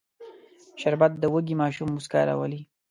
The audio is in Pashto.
شربت د وږي ماشوم موسکا راولي